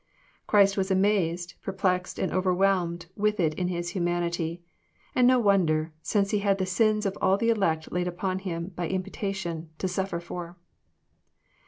Christ was amazed, perplexed, and overwhelmed with it in His humanity. And no wonder, since He had the sins of all the elect laid upon Him, by imputation, to suffer for."